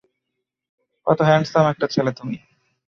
কত হ্যাঁন্ডসাম একটা ছেলে তুমি।